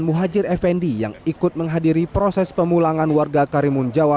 muhajir effendi yang ikut menghadiri proses pemulangan warga karimunjawa